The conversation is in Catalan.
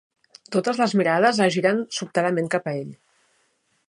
Totes les mirades es giren sobtadament cap a ell.